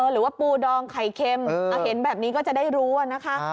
หรือว่าปูดองไข่เค็มเห็นแบบนี้ก็จะได้รู้นะคะ